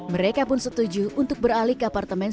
mereka pun setuju untuk beralih ke apartemen